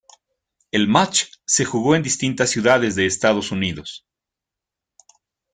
El match se jugó en distintas ciudades de Estados Unidos.